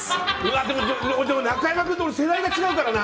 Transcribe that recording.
でも中山君と世代が違うからな。